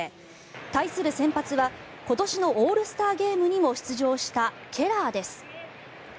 対する先発は今年のオールスターゲームにも出場したケラーです。